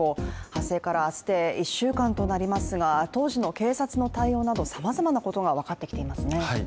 発生から明日で１週間となりますが当時の警察の対応などさまざまなことが分かってきていますね。